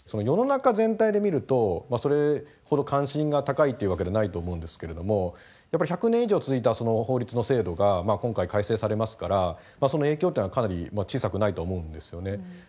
世の中全体で見るとそれほど関心が高いというわけでないと思うんですけれどもやっぱり１００年以上続いた法律の制度が今回改正されますからその影響っていうのはかなり小さくないと思うんですよね。